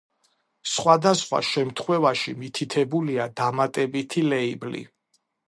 სხვადასხვა შემთხვევაში მითითებულია დამატებითი ლეიბლი.